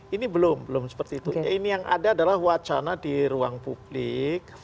ini belum belum seperti itu ini yang ada adalah wacana di ruang publik